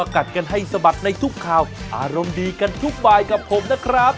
กัดกันให้สะบัดในทุกข่าวอารมณ์ดีกันทุกบายกับผมนะครับ